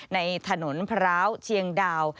ในถนนพร้าวเชียงดาว